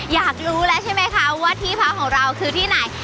อยากรู้แล้วใช่ไหมคะว่าที่พักของเราคือที่ไหน